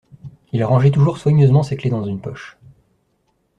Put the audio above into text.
Il rangeait toujours soigneusement ses clefs dans une poche.